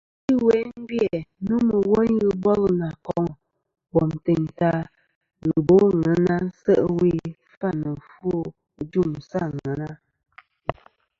Achi ɨwe gvi-æ nomɨ woyn ghɨ bol nà koŋa bom teyn ta ghɨ bo àŋena se' ɨwe kfa nɨ ɨfwo ɨ juŋ sɨ àŋena.